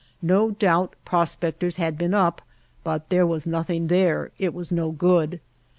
No doubt prospectors had been up, but there was nothing there, it was no good.